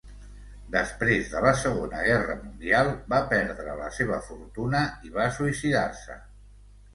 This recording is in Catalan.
Després de la Segona Guerra Mundial, va perdre la seva fortuna, i va suïcidar-se.